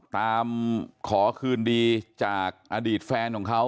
ขอคืนดีจากอดีตแฟนของเขา